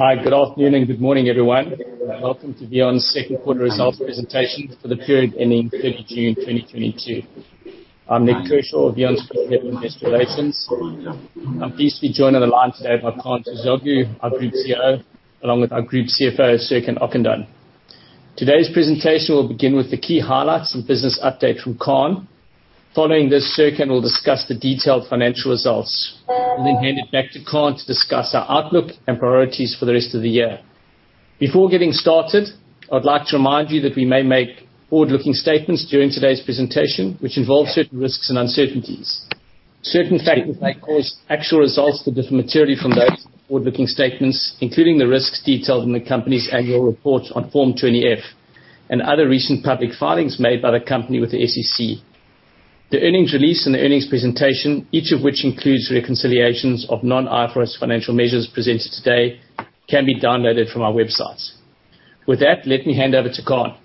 Hi, good afternoon and good morning, everyone. Welcome to VEON's second quarter results presentation for the period ending 30 June 2022. I'm Nik Kershaw, VEON's Investor Relations. I'm pleased to be joined on the line today by Kaan Terzioğlu, our Group CEO, along with our Group CFO, Serkan Okandan. Today's presentation will begin with the key highlights and business update from Kaan. Following this, Serkan will discuss the detailed financial results. We'll then hand it back to Kaan to discuss our outlook and priorities for the rest of the year. Before getting started, I'd like to remind you that we may make forward-looking statements during today's presentation, which involve certain risks and uncertainties. Certain factors may cause actual results to differ materially from those forward-looking statements, including the risks detailed in the company's annual report on Form 20-F and other recent public filings made by the company with the SEC. The earnings release and the earnings presentation, each of which includes reconciliations of non-IFRS financial measures presented today, can be downloaded from our websites. With that, let me hand over to Kaan.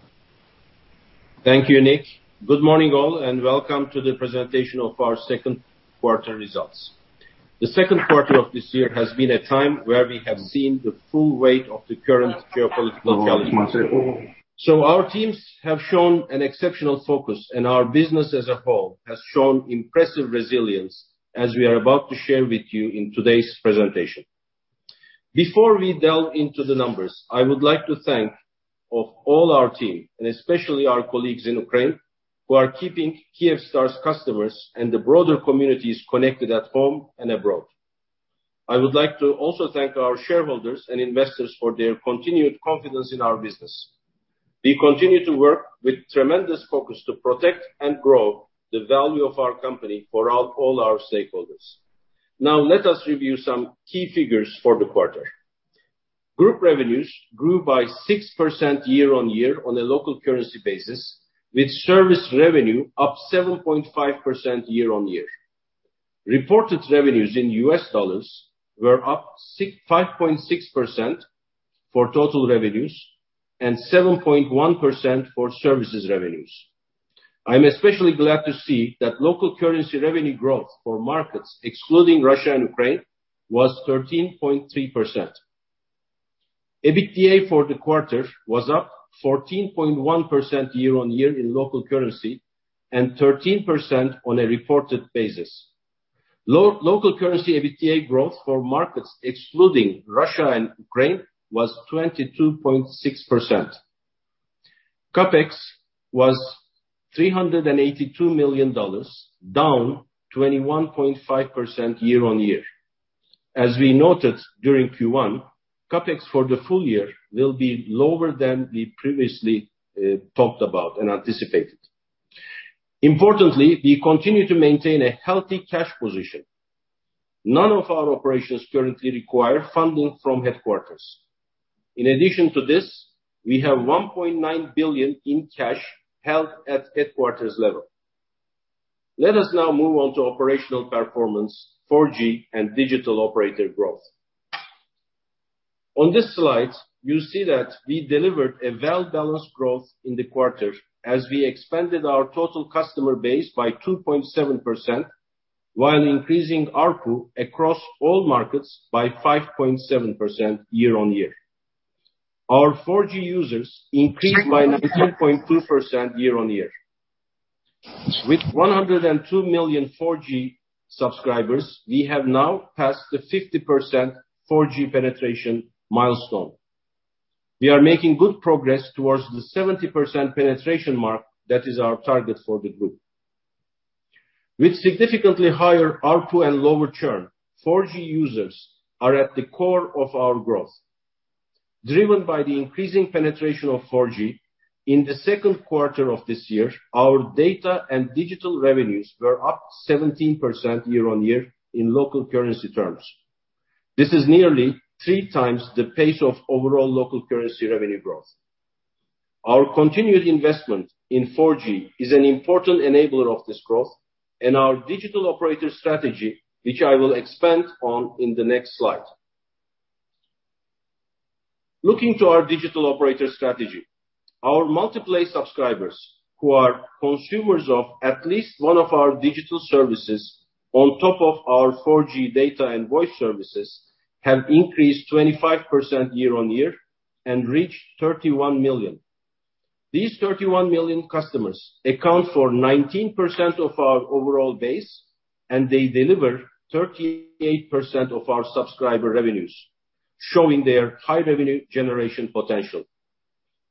Thank you, Nik. Good morning, all, and welcome to the presentation of our second quarter results. The second quarter of this year has been a time where we have seen the full weight of the current geopolitical challenges. Our teams have shown an exceptional focus, and our business as a whole has shown impressive resilience, as we are about to share with you in today's presentation. Before we delve into the numbers, I would like to thank all of our team, and especially our colleagues in Ukraine, who are keeping Kyivstar's customers and the broader communities connected at home and abroad. I would like to also thank our shareholders and investors for their continued confidence in our business. We continue to work with tremendous focus to protect and grow the value of our company for all our stakeholders. Now let us review some key figures for the quarter. Group revenues grew by 6% year-on-year on a local currency basis, with service revenue up 7.5% year-on-year. Reported revenues in U.S. dollars were up 5.6% for total revenues and 7.1% for services revenues. I'm especially glad to see that local currency revenue growth for markets excluding Russia and Ukraine was 13.3%. EBITDA for the quarter was up 14.1% year-on-year in local currency and 13% on a reported basis. Local currency EBITDA growth for markets excluding Russia and Ukraine was 22.6%. CapEx was $382 million, down 21.5% year-on-year. As we noted during Q1, CapEx for the full year will be lower than we previously talked about and anticipated. Importantly, we continue to maintain a healthy cash position. None of our operations currently require funding from headquarters. In addition to this, we have $1.9 billion in cash held at headquarters level. Let us now move on to operational performance, 4G and digital operator growth. On this slide, you see that we delivered a well-balanced growth in the quarter as we expanded our total customer base by 2.7% while increasing ARPU across all markets by 5.7% year-on-year. Our 4G users increased by 19.2% year-on-year. With 102 million 4G subscribers, we have now passed the 50% 4G penetration milestone. We are making good progress towards the 70% penetration mark that is our target for the group. With significantly higher ARPU and lower churn, 4G users are at the core of our growth. Driven by the increasing penetration of 4G, in the second quarter of this year, our data and digital revenues were up 17% year-over-year in local currency terms. This is nearly 3x the pace of overall local currency revenue growth. Our continued investment in 4G is an important enabler of this growth and our digital operator strategy, which I will expand on in the next slide. Looking to our digital operator strategy, our multi-play subscribers, who are consumers of at least one of our digital services on top of our 4G data and voice services, have increased 25% year-over-year and reached 31 million. These 31 million customers account for 19% of our overall base, and they deliver 38% of our subscriber revenues, showing their high revenue generation potential.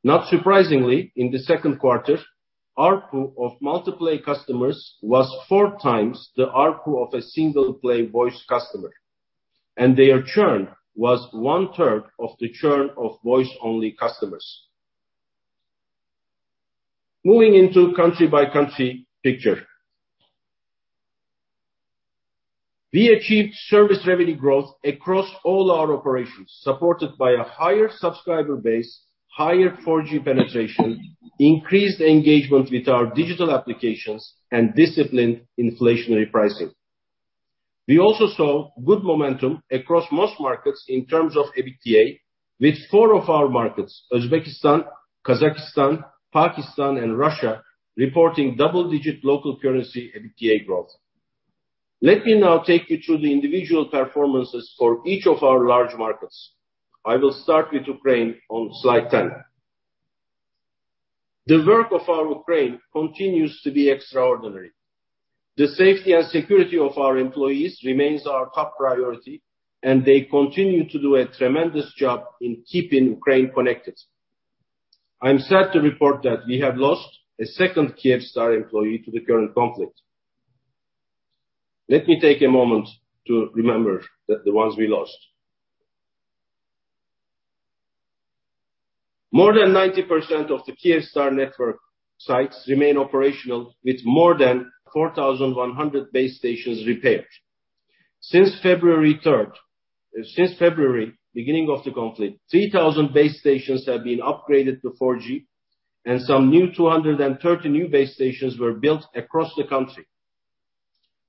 Not surprisingly, in the second quarter, ARPU of multi-play customers was 4x the ARPU of a single-play voice customer, and their churn was 1/3 of the churn of voice-only customers. Moving to the country-by-country picture. We achieved service revenue growth across all our operations, supported by a higher subscriber base, higher 4G penetration, increased engagement with our digital applications, and disciplined inflationary pricing. We also saw good momentum across most markets in terms of EBITDA, with four of our markets, Uzbekistan, Kazakhstan, Pakistan, and Russia, reporting double-digit local currency EBITDA growth. Let me now take you through the individual performances for each of our large markets. I will start with Ukraine on slide 10. The work in Ukraine continues to be extraordinary. The safety and security of our employees remains our top priority, and they continue to do a tremendous job in keeping Ukraine connected. I'm sad to report that we have lost a second Kyivstar employee to the current conflict. Let me take a moment to remember the ones we lost. More than 90% of the Kyivstar network sites remain operational with more than 4,100 base stations repaired. Since February, beginning of the conflict, 3,000 base stations have been upgraded to 4G, and some new 230 base stations were built across the country.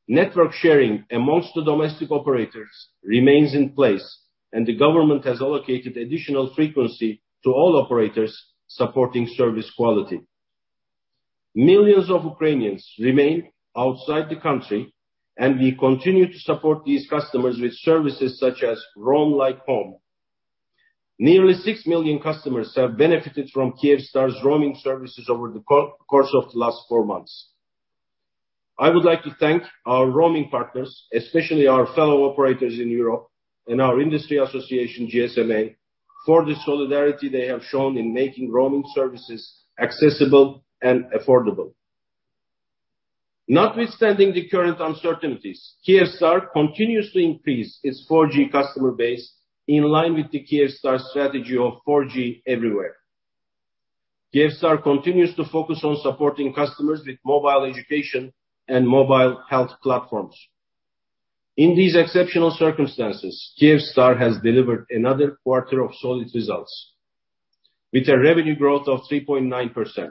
Network sharing amongst the domestic operators remains in place, and the government has allocated additional frequency to all operators supporting service quality. Millions of Ukrainians remain outside the country, and we continue to support these customers with services such as Roam Like Home. Nearly 6 million customers have benefited from Kyivstar's roaming services over the course of the last four months. I would like to thank our roaming partners, especially our fellow operators in Europe and our industry association, GSMA, for the solidarity they have shown in making roaming services accessible and affordable. Notwithstanding the current uncertainties, Kyivstar continues to increase its 4G customer base in line with the Kyivstar strategy of 4G everywhere. Kyivstar continues to focus on supporting customers with mobile education and mobile health platforms. In these exceptional circumstances, Kyivstar has delivered another quarter of solid results with a revenue growth of 3.9%.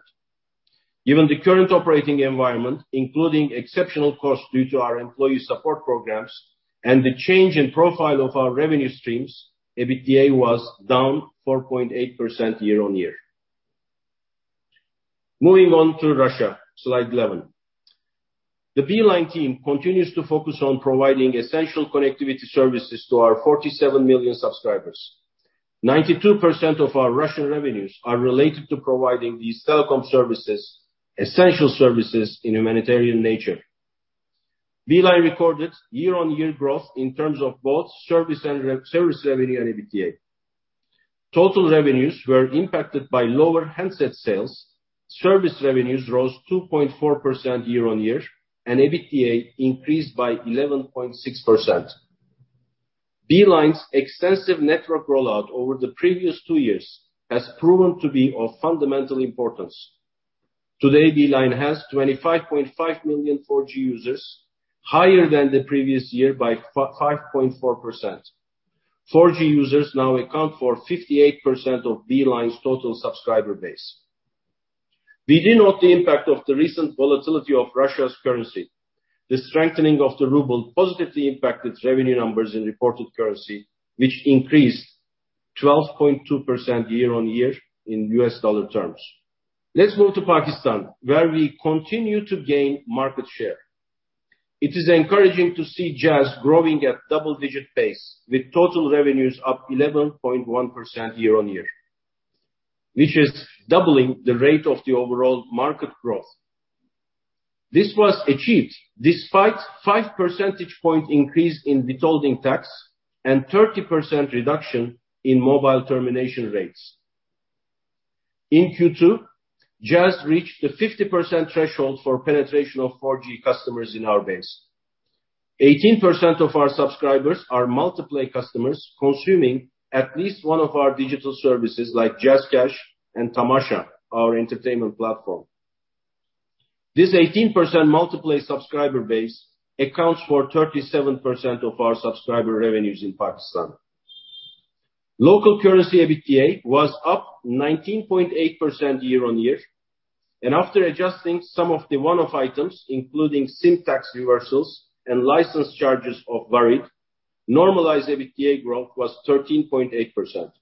Given the current operating environment, including exceptional costs due to our employee support programs and the change in profile of our revenue streams, EBITDA was down 4.8% year-on-year. Moving on to Russia, slide 11. The Beeline team continues to focus on providing essential connectivity services to our 47 million subscribers. 92% of our Russian revenues are related to providing these telecom services, essential services of a humanitarian nature. Beeline recorded year-on-year growth in terms of both service revenue and EBITDA. Total revenues were impacted by lower handset sales. Service revenues rose 2.4% year-on-year, and EBITDA increased by 11.6%. Beeline's extensive network rollout over the previous two years has proven to be of fundamental importance. Today, Beeline has 25.5 million 4G users, higher than the previous year by 5.4%. 4G users now account for 58% of Beeline's total subscriber base. We note the impact of the recent volatility of Russia's currency. The strengthening of the ruble positively impacted revenue numbers in reported currency, which increased 12.2% year-on-year in U.S. dollar terms. Let's move to Pakistan, where we continue to gain market share. It is encouraging to see Jazz growing at double-digit pace, with total revenues up 11.1% year-on-year, which is doubling the rate of the overall market growth. This was achieved despite 5 percentage point increase in withholding tax and 30% reduction in mobile termination rates. In Q2, Jazz reached the 50% threshold for penetration of 4G customers in our base. 18% of our subscribers are multi-play customers consuming at least one of our digital services like JazzCash and Tamasha, our entertainment platform. This 18% multi-play subscriber base accounts for 37% of our subscriber revenues in Pakistan. Local currency EBITDA was up 19.8% year-on-year, and after adjusting some of the one-off items, including sin tax reversals and license charges of Warid, normalized EBITDA growth was 13.8%.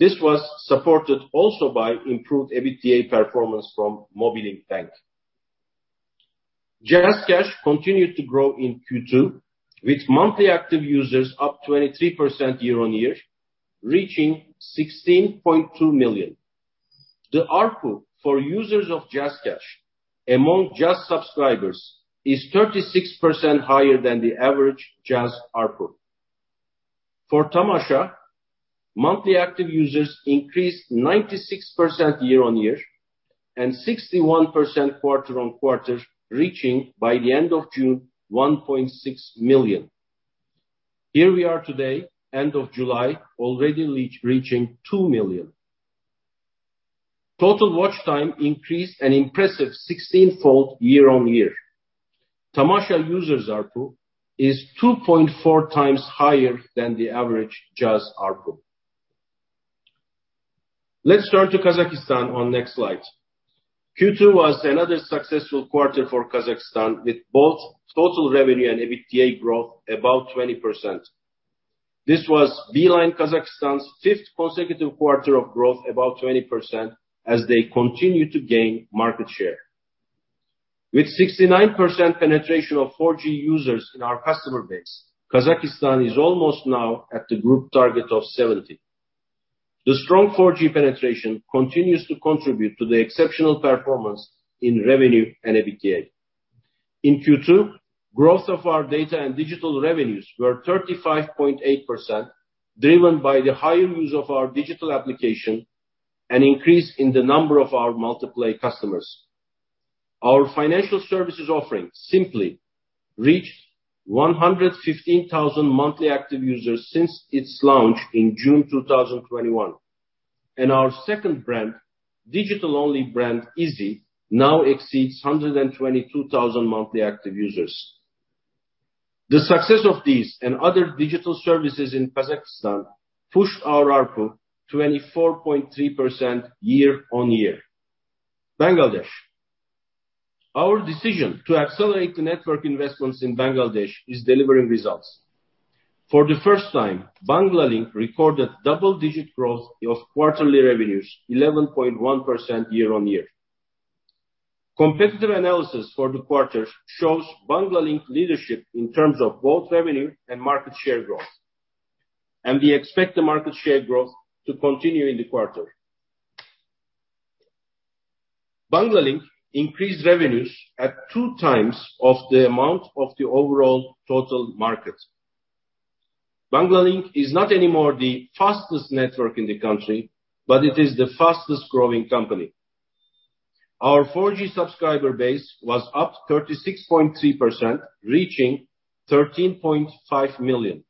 This was supported also by improved EBITDA performance from Mobilink Bank. JazzCash continued to grow in Q2 with monthly active users up 23% year-on-year, reaching 16.2 million. The ARPU for users of JazzCash among Jazz subscribers is 36% higher than the average Jazz ARPU. For Tamasha, monthly active users increased 96% year-on-year and 61% quarter-on-quarter, reaching by the end of June 1.6 million. Here we are today, end of July, already reaching 2 million. Total watch time increased an impressive 16-fold year-on-year. Tamasha users ARPU is 2.4x higher than the average Jazz ARPU. Let's turn to Kazakhstan on next slide. Q2 was another successful quarter for Kazakhstan, with both total revenue and EBITDA growth above 20%. This was Beeline Kazakhstan's fifth consecutive quarter of growth above 20% as they continue to gain market share. With 69% penetration of 4G users in our customer base, Kazakhstan is almost now at the group target of 70. The strong 4G penetration continues to contribute to the exceptional performance in revenue and EBITDA. In Q2, growth of our data and digital revenues were 35.8%, driven by the higher use of our digital application and increase in the number of our multi-play customers. Our financial services offering, Simply, reached 115,000 monthly active users since its launch in June 2021. Our second brand, digital-only brand, IZI, now exceeds 122,000 monthly active users. The success of these and other digital services in Kazakhstan pushed our ARPU 24.3% year-over-year. Bangladesh. Our decision to accelerate the network investments in Bangladesh is delivering results. For the first time, Banglalink recorded double-digit growth of quarterly revenues 11.1% year-over-year. Competitive analysis for the quarter shows Banglalink leadership in terms of both revenue and market share growth, and we expect the market share growth to continue in the quarter. Banglalink increased revenues at 2x of the amount of the overall total market. Banglalink is not anymore the fastest network in the country, but it is the fastest-growing company. Our 4G subscriber base was up 36.3%, reaching 13.5 million.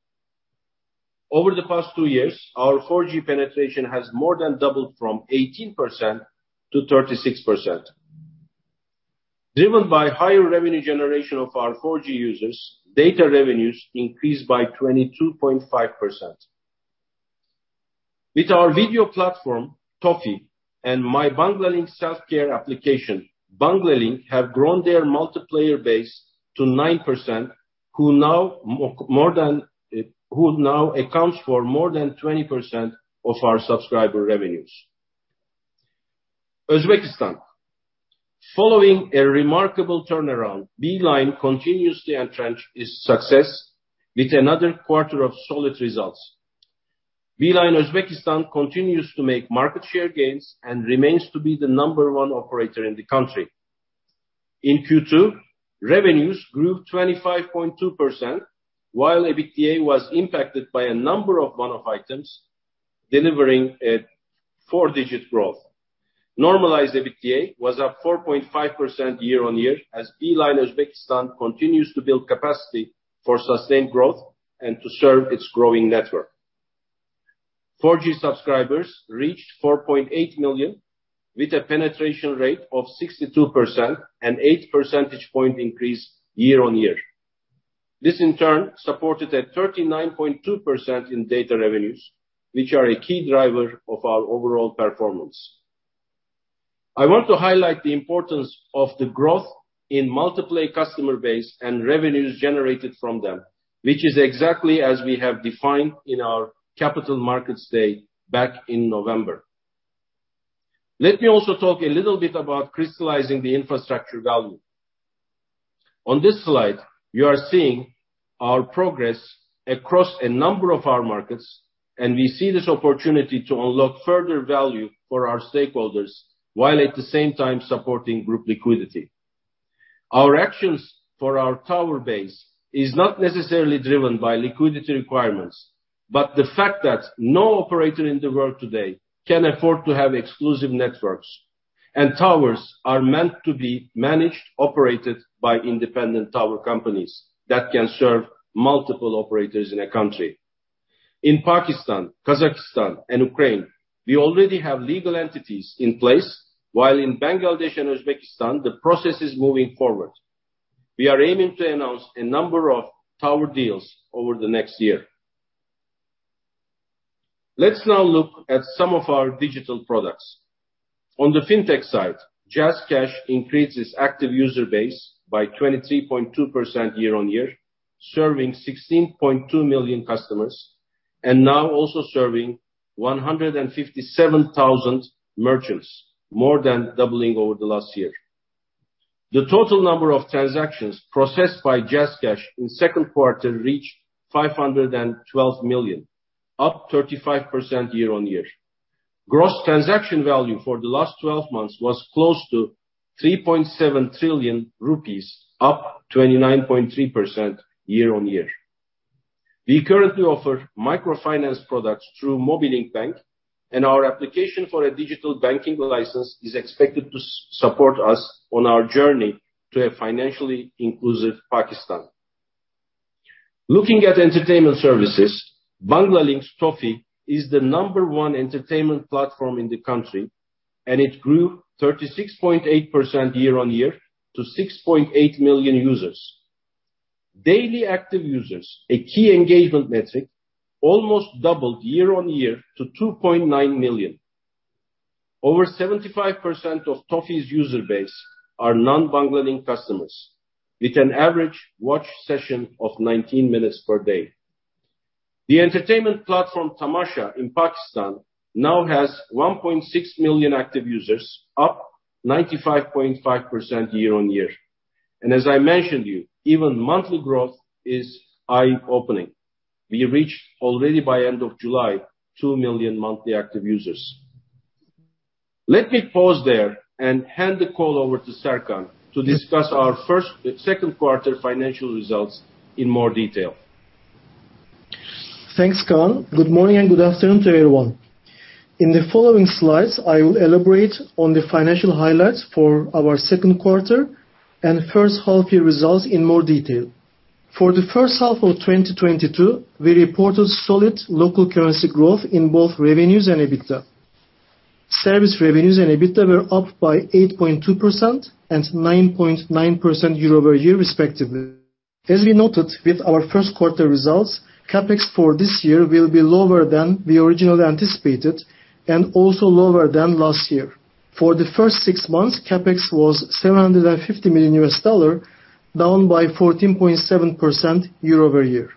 Over the past two years, our 4G penetration has more than doubled from 18% to 36%. Driven by higher revenue generation of our 4G users, data revenues increased by 22.5%. With our video platform, Toffee, and My Banglalink self-care application, Banglalink have grown their multi-play base to 9%, who now accounts for more than 20% of our subscriber revenues. Uzbekistan. Following a remarkable turnaround, Beeline continues to entrench its success with another quarter of solid results. Beeline Uzbekistan continues to make market share gains and remains to be the number-one operator in the country. In Q2, revenues grew 25.2%, while EBITDA was impacted by a number of one-off items, delivering a four-digit growth. Normalized EBITDA was up 4.5% year-on-year, as Beeline Uzbekistan continues to build capacity for sustained growth and to serve its growing network. 4G subscribers reached 4.8 million with a penetration rate of 62% and 8 percentage point increase year-on-year. This, in turn, supported a 39.2% in data revenues, which are a key driver of our overall performance. I want to highlight the importance of the growth in multi-play customer base and revenues generated from them, which is exactly as we have defined in our Capital Markets Day back in November. Let me also talk a little bit about crystallizing the infrastructure value. On this slide, you are seeing our progress across a number of our markets, and we see this opportunity to unlock further value for our stakeholders while at the same time supporting group liquidity. Our actions for our tower base is not necessarily driven by liquidity requirements, but the fact that no operator in the world today can afford to have exclusive networks, and towers are meant to be managed, operated by independent tower companies that can serve multiple operators in a country. In Pakistan, Kazakhstan, and Ukraine, we already have legal entities in place, while in Bangladesh and Uzbekistan, the process is moving forward. We are aiming to announce a number of tower deals over the next year. Let's now look at some of our digital products. On the fintech side, JazzCash increased its active user base by 23.2% year-on-year, serving 16.2 million customers, and now also serving 157,000 merchants, more than doubling over the last year. The total number of transactions processed by JazzCash in second quarter reached 512 million, up 35% year-on-year. Gross transaction value for the last twelve months was close to PKR 3.7 trillion, up 29.3% year-on-year. We currently offer microfinance products through Mobilink Bank, and our application for a digital banking license is expected to support us on our journey to a financially inclusive Pakistan. Looking at entertainment services, Banglalink's Toffee is the number one entertainment platform in the country, and it grew 36.8% year-on-year to 6.8 million users. Daily active users, a key engagement metric, almost doubled year-on-year to 2.9 million. Over 75% of Toffee's user base are non-Banglalink customers, with an average watch session of 19 minutes per day. The entertainment platform Tamasha in Pakistan now has 1.6 million active users, up 95.5% year-on-year. As I mentioned to you, even monthly growth is eye-opening. We reached already by end of July, 2 million monthly active users. Let me pause there and hand the call over to Serkan to discuss our second quarter financial results in more detail. Thanks, Kaan. Good morning and good afternoon to everyone. In the following slides, I will elaborate on the financial highlights for our second quarter and first half year results in more detail. For the first half of 2022, we reported solid local currency growth in both revenues and EBITDA. Service revenues and EBITDA were up by 8.2% and 9.9% year-over-year respectively. As we noted with our first quarter results, CapEx for this year will be lower than we originally anticipated and also lower than last year. For the first six months, CapEx was $750 million, down by 14.7% year-over-year.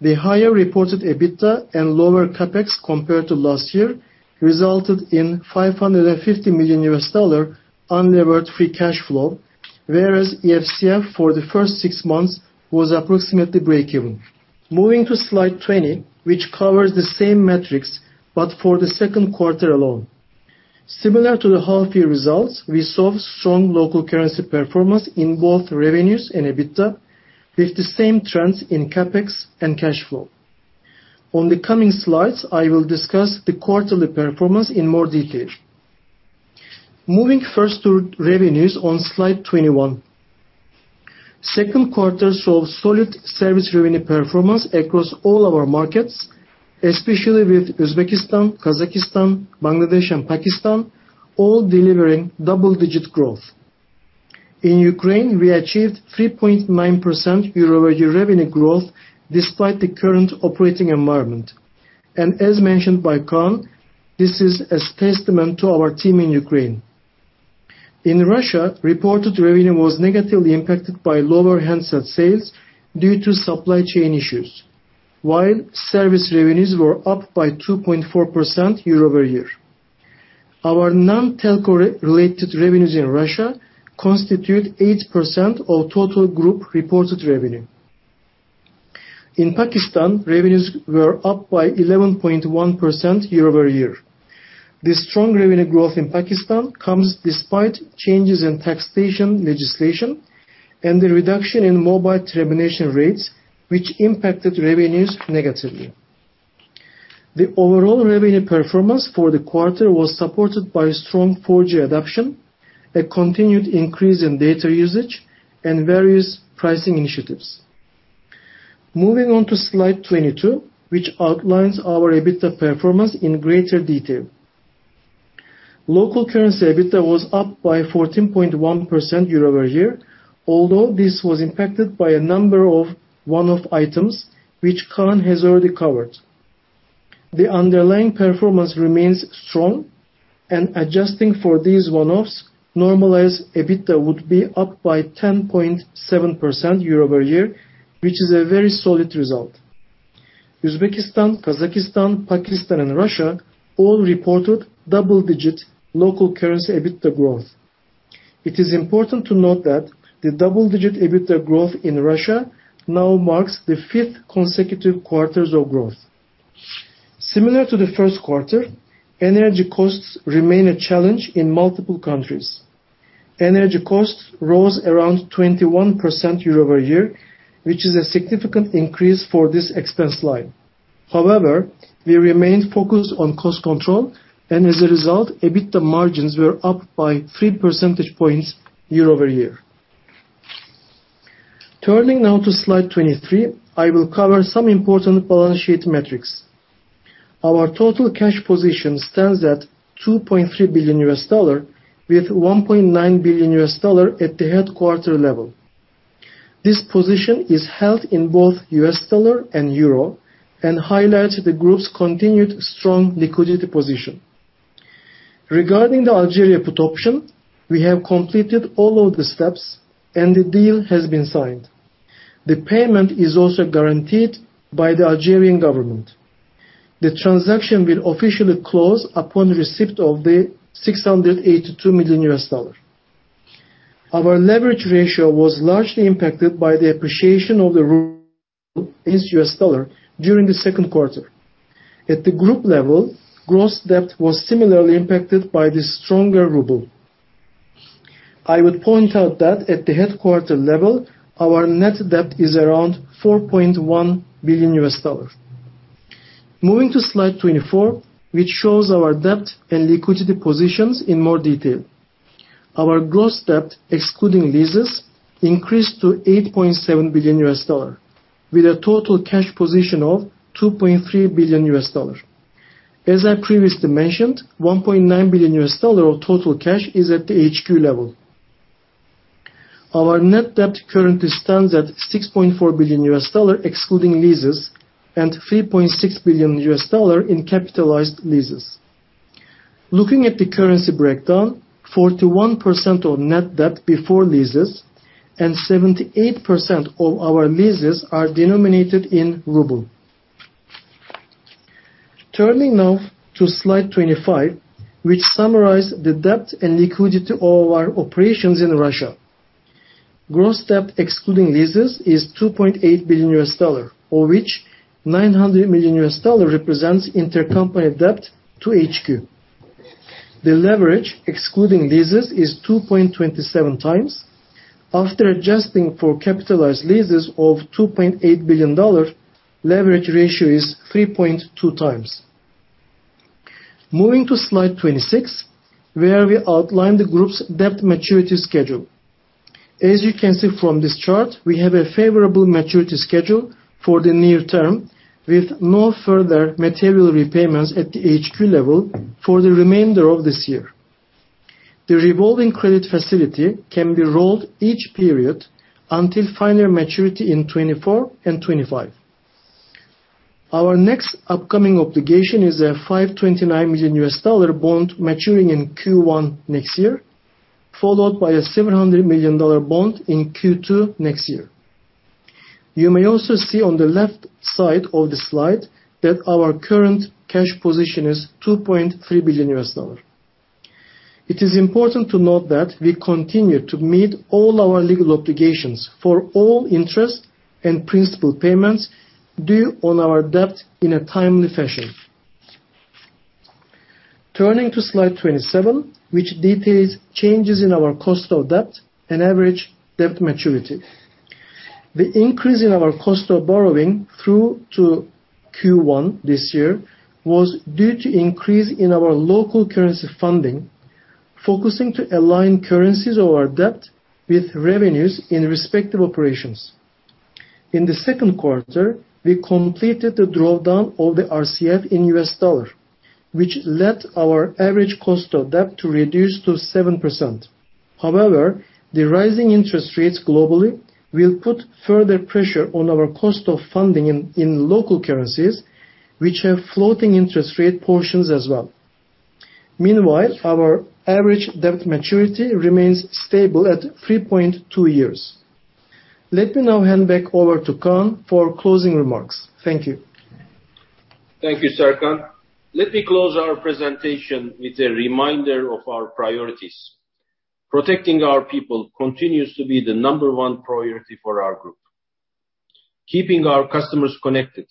The higher reported EBITDA and lower CapEx compared to last year resulted in $550 million unlevered free cash flow, whereas EFCF for the first six months was approximately break-even. Moving to slide 20, which covers the same metrics but for the second quarter alone. Similar to the half year results, we saw strong local currency performance in both revenues and EBITDA, with the same trends in CapEx and cash flow. On the coming slides, I will discuss the quarterly performance in more detail. Moving first to revenues on slide 21. Second quarter saw solid service revenue performance across all our markets, especially with Uzbekistan, Kazakhstan, Bangladesh, and Pakistan, all delivering double-digit growth. In Ukraine, we achieved 3.9% year-over-year revenue growth despite the current operating environment. As mentioned by Kaan, this is a testament to our team in Ukraine. In Russia, reported revenue was negatively impacted by lower handset sales due to supply chain issues. While service revenues were up by 2.4% year-over-year. Our non-telco related revenues in Russia constitute 8% of total group reported revenue. In Pakistan, revenues were up by 11.1% year-over-year. This strong revenue growth in Pakistan comes despite changes in taxation legislation and the reduction in mobile termination rates, which impacted revenues negatively. The overall revenue performance for the quarter was supported by strong 4G adoption, a continued increase in data usage, and various pricing initiatives. Moving on to slide 22, which outlines our EBITDA performance in greater detail. Local currency EBITDA was up by 14.1% year-over-year, although this was impacted by a number of one-off items which Kaan has already covered. The underlying performance remains strong, and adjusting for these one-offs, normalized EBITDA would be up by 10.7% year-over-year, which is a very solid result. Uzbekistan, Kazakhstan, Pakistan, and Russia all reported double-digit local currency EBITDA growth. It is important to note that the double-digit EBITDA growth in Russia now marks the fifth consecutive quarters of growth. Similar to the first quarter, energy costs remain a challenge in multiple countries. Energy costs rose around 21% year-over-year, which is a significant increase for this expense line. However, we remained focused on cost control, and as a result, EBITDA margins were up by 3 percentage points year-over-year. Turning now to slide 23, I will cover some important balance sheet metrics. Our total cash position stands at $2.3 billion, with $1.9 billion at the headquarters level. This position is held in both U.S. dollar and Euro and highlights the group's continued strong liquidity position. Regarding the Algeria put option, we have completed all of the steps, and the deal has been signed. The payment is also guaranteed by the Algerian government. The transaction will officially close upon receipt of the $682 million. Our leverage ratio was largely impacted by the appreciation of the ruble against U.S. dollar during the second quarter. At the group level, gross debt was similarly impacted by the stronger ruble. I would point out that at the headquarters level, our net debt is around $4.1 billion. Moving to slide 24, which shows our debt and liquidity positions in more detail. Our gross debt, excluding leases, increased to $8.7 billion, with a total cash position of $2.3 billion. As I previously mentioned, $1.9 billion of total cash is at the HQ level. Our net debt currently stands at $6.4 billion excluding leases, and $3.6 billion in capitalized leases. Looking at the currency breakdown, 41% of net debt before leases and 78% of our leases are denominated in ruble. Turning now to slide 25, which summarize the debt and liquidity of our operations in Russia. Gross debt excluding leases is $2.8 billion, of which $900 million represents intercompany debt to HQ. The leverage excluding leases is 2.27x. After adjusting for capitalized leases of $2.8 billion, leverage ratio is 3.2x. Moving to slide 26, where we outline the group's debt maturity schedule. As you can see from this chart, we have a favorable maturity schedule for the near term, with no further material repayments at the HQ level for the remainder of this year. The revolving credit facility can be rolled each period until final maturity in 2024 and 2025. Our next upcoming obligation is a $529 million bond maturing in Q1 next year, followed by a $700 million bond in Q2 next year. You may also see on the left side of the slide that our current cash position is $2.3 billion. It is important to note that we continue to meet all our legal obligations for all interest and principal payments due on our debt in a timely fashion. Turning to slide 27, which details changes in our cost of debt and average debt maturity. The increase in our cost of borrowing through to Q1 this year was due to increase in our local currency funding, focusing to align currencies or debt with revenues in respective operations. In the second quarter, we completed the drawdown of the RCF in USD, which led our average cost of debt to reduce to 7%. However, the rising interest rates globally will put further pressure on our cost of funding in local currencies, which have floating interest rate portions as well. Meanwhile, our average debt maturity remains stable at 3.2 years. Let me now hand back over to Kaan for closing remarks. Thank you. Thank you, Serkan. Let me close our presentation with a reminder of our priorities. Protecting our people continues to be the number one priority for our group. Keeping our customers connected,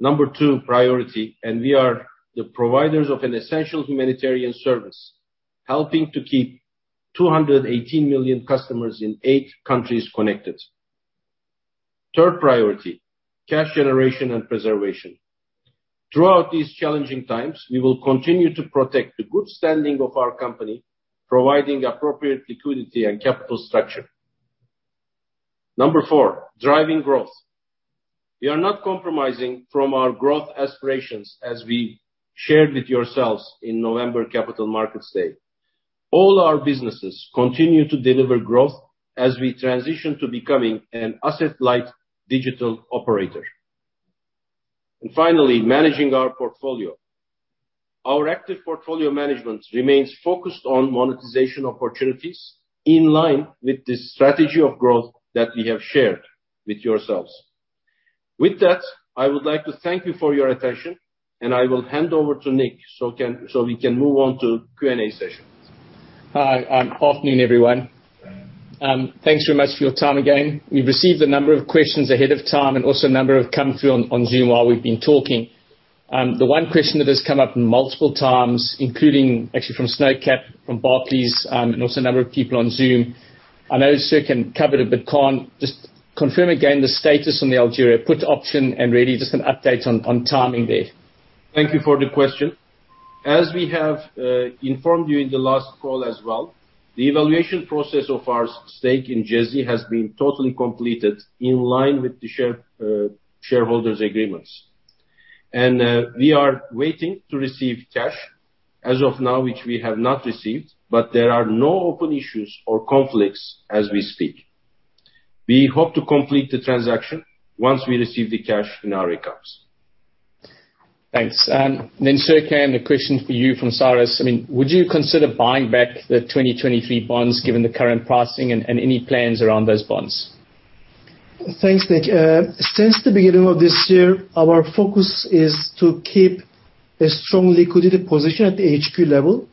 number two priority, and we are the providers of an essential humanitarian service, helping to keep 218 million customers in eight countries connected. Third priority, cash generation and preservation. Throughout these challenging times, we will continue to protect the good standing of our company, providing appropriate liquidity and capital structure. Number four, driving growth. We are not compromising from our growth aspirations, as we shared with yourselves in November capital markets day. All our businesses continue to deliver growth as we transition to becoming an asset-light digital operator. Finally, managing our portfolio. Our active portfolio management remains focused on monetization opportunities in line with the strategy of growth that we have shared with yourselves. With that, I would like to thank you for your attention, and I will hand over to Nik so we can move on to Q&A session. Hi. Afternoon, everyone. Thanks very much for your time again. We've received a number of questions ahead of time and also a number have come through on Zoom while we've been talking. The one question that has come up multiple times, including actually from Sova Capital, from Barclays, and also a number of people on Zoom. I know Serkan covered it, but Kaan, just confirm again the status on the Algeria put option and really just an update on timing there. Thank you for the question. As we have informed you in the last call as well, the evaluation process of our stake in Jazz has been totally completed in line with the shareholders agreements. We are waiting to receive cash as of now, which we have not received, but there are no open issues or conflicts as we speak. We hope to complete the transaction once we receive the cash in our accounts. Thanks. Serkan, the question for you from Cyrus. I mean, would you consider buying back the 2023 bonds given the current pricing and any plans around those bonds? Thanks, Nik. Since the beginning of this year, our focus is to keep a strong liquidity position at the HQ level.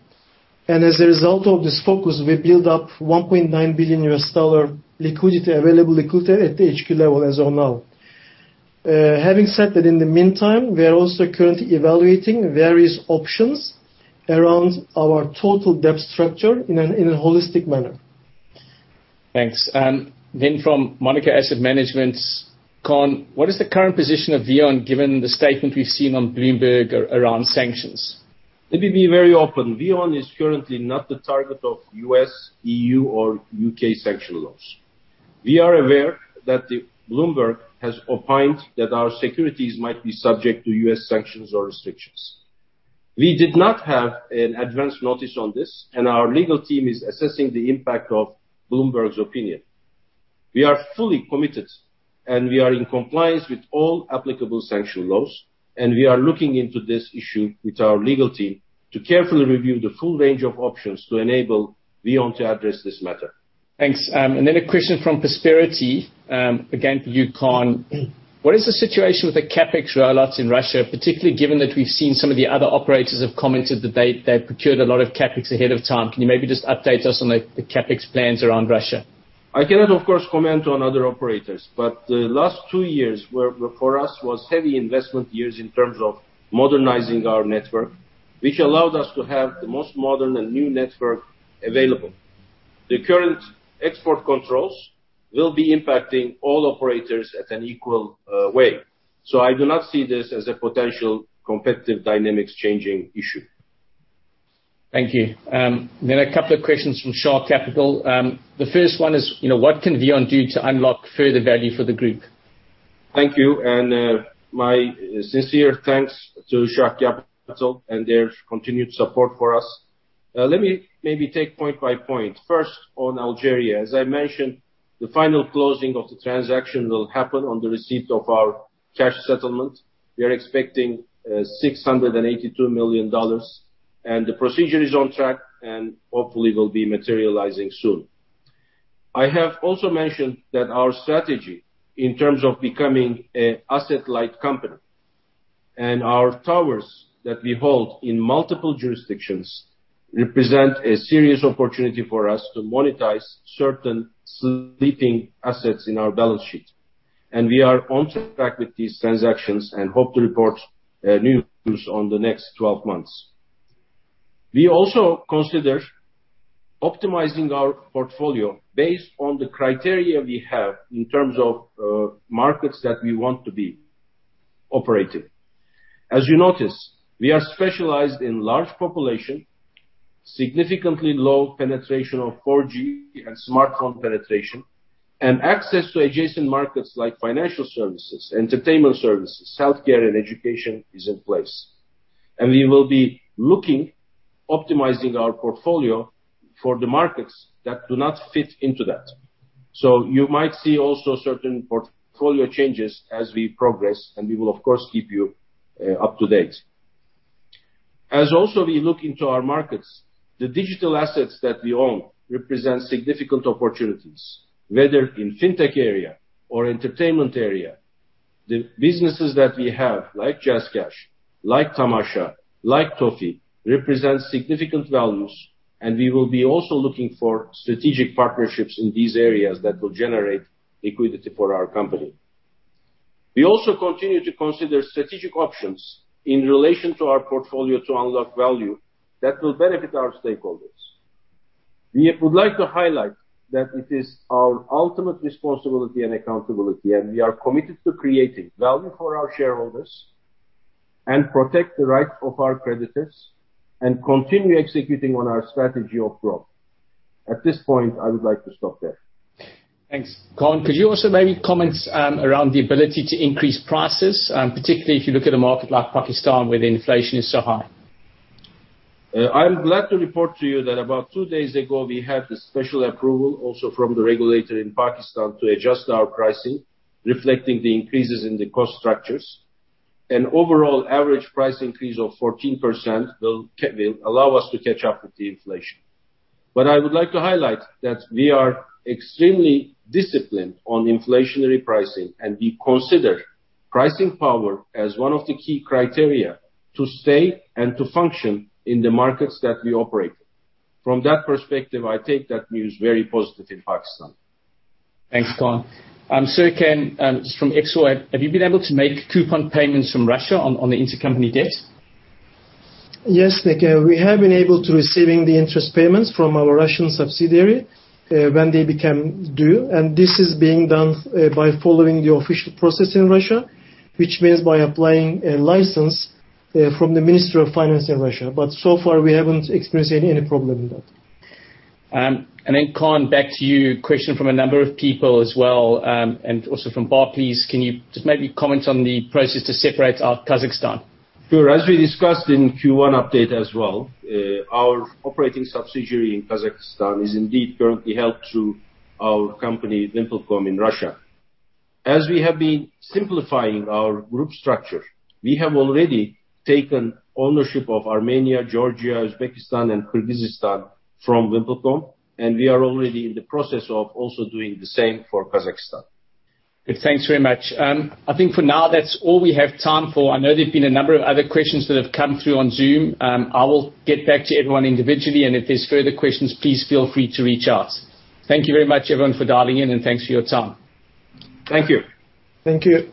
As a result of this focus, we build up $1.9 billion liquidity, available liquidity at the HQ level as of now. Having said that, in the meantime, we are also currently evaluating various options around our total debt structure in a holistic manner. Thanks. From Monarca Asset Management, Kaan, what is the current position of VEON given the statement we've seen on Bloomberg around sanctions? Let me be very open. VEON is currently not the target of U.S., E.U. or U.K. sanctions laws. We are aware that the Bloomberg has opined that our securities might be subject to U.S. sanctions or restrictions. We did not have an advanced notice on this, and our legal team is assessing the impact of Bloomberg's opinion. We are fully committed, and we are in compliance with all applicable sanctions laws, and we are looking into this issue with our legal team to carefully review the full range of options to enable VEON to address this matter. Thanks. A question from Prosperity, again for you, Kaan. What is the situation with the CapEx rollouts in Russia, particularly given that we've seen some of the other operators have commented that they procured a lot of CapEx ahead of time. Can you maybe just update us on the CapEx plans around Russia? I cannot, of course, comment on other operators, but the last two years were for us was heavy investment years in terms of modernizing our network, which allowed us to have the most modern and new network available. The current export controls will be impacting all operators at an equal way. I do not see this as a potential competitive dynamics changing issue. Thank you. A couple of questions from Shah Capital. The first one is, you know, what can VEON do to unlock further value for the group? Thank you. My sincere thanks to Shah Capital and their continued support for us. Let me maybe take point by point. First, on Algeria, as I mentioned, the final closing of the transaction will happen on the receipt of our cash settlement. We are expecting $682 million, and the procedure is on track and hopefully will be materializing soon. I have also mentioned that our strategy in terms of becoming an asset-light company and our towers that we hold in multiple jurisdictions represent a serious opportunity for us to monetize certain sleeping assets in our balance sheet. We are on track with these transactions and hope to report news in the next 12 months. We also consider optimizing our portfolio based on the criteria we have in terms of markets that we want to be operating. As you notice, we are specialized in large population, significantly low penetration of 4G and smartphone penetration, and access to adjacent markets like financial services, entertainment services, healthcare and education is in place. We will be looking to optimize our portfolio for the markets that do not fit into that. You might see also certain portfolio changes as we progress, and we will of course keep you up to date. As we also look into our markets, the digital assets that we own represent significant opportunities, whether in fintech area or entertainment area. The businesses that we have, like JazzCash, like Tamasha, like Toffee, represent significant values, and we will be also looking for strategic partnerships in these areas that will generate liquidity for our company. We also continue to consider strategic options in relation to our portfolio to unlock value that will benefit our stakeholders. We would like to highlight that it is our ultimate responsibility and accountability, and we are committed to creating value for our shareholders and protect the rights of our creditors and continue executing on our strategy of growth. At this point, I would like to stop there. Thanks. Kaan, could you also maybe comment around the ability to increase prices, particularly if you look at a market like Pakistan where the inflation is so high? I'm glad to report to you that about two days ago we had the special approval also from the regulator in Pakistan to adjust our pricing, reflecting the increases in the cost structures. An overall average price increase of 14% will allow us to catch up with the inflation. I would like to highlight that we are extremely disciplined on inflationary pricing, and we consider pricing power as one of the key criteria to stay and to function in the markets that we operate in. From that perspective, I take that news very positive in Pakistan. Thanks, Kaan. Serkan, this is from Exotix. Have you been able to make coupon payments from Russia on the intercompany debt? Yes, Nik. We have been able to receive the interest payments from our Russian subsidiary, when they become due, and this is being done, by following the official process in Russia, which means by applying a license, from the Minister of Finance in Russia. So far, we haven't experienced any problem with that. Kaan, back to you. Question from a number of people as well, and also from Barclays. Can you just maybe comment on the process to separate out Kazakhstan? Sure. As we discussed in Q1 update as well, our operating subsidiary in Kazakhstan is indeed currently held through our company VimpelCom in Russia. As we have been simplifying our group structure, we have already taken ownership of Armenia, Georgia, Uzbekistan, and Kyrgyzstan from VimpelCom, and we are already in the process of also doing the same for Kazakhstan. Good. Thanks very much. I think for now that's all we have time for. I know there've been a number of other questions that have come through on Zoom. I will get back to everyone individually, and if there's further questions, please feel free to reach out. Thank you very much everyone for dialing in, and thanks for your time. Thank you. Thank you.